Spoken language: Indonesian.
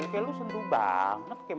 iya lu sendu bang